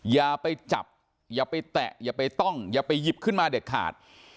อย่าไปจับอย่าไปแตะอย่าไปต้องอย่าไปหยิบขึ้นมาเด็ดขาด